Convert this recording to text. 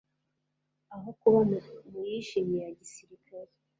aho kuba mu yijimye ya gisirikare,